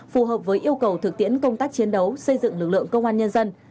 phù hợp với yêu cầu thực tiễn công tác chiến đấu xây dựng lực lượng công an nhân dân